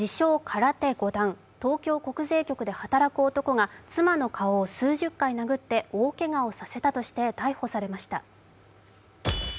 ・空手五段、東京国税局で働く男が妻の顔を数十回殴って大けがをさせたとして逮捕されました。